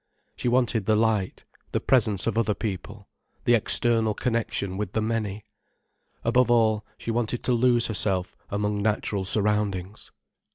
She wanted the light, the presence of other people, the external connection with the many. Above all she wanted to lose herself among natural surroundings.